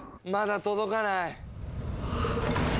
まだ届かない。